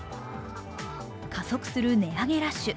加速する値上げラッシュ